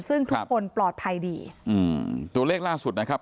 ซึ่งทุกคนปลอดภัยดีอืมตัวเลขล่าสุดนะครับ